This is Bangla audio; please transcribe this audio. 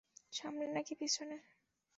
সামনে নাকি পেছনে?